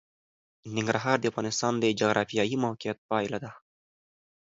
ننګرهار د افغانستان د جغرافیایي موقیعت پایله ده.